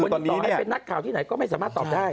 วันนี้ต่อให้เป็นนักข่าวที่ไหนก็ไม่สามารถตอบได้